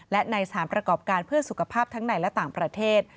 และในสถานประกอบการเพื่อสุขภาพทั้งในและต่างประเทศ